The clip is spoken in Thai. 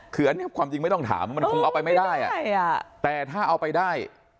คืออันนี้ความจริงไม่ต้องถามมันคงเอาไปไม่ได้แต่ถ้าเอาไปได้